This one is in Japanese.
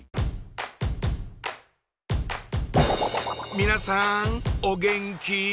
皆さんお元気？